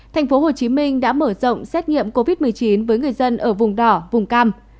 tp hcm đã mở rộng xét nghiệm covid một mươi chín với người dân ở vùng đỏ vùng cam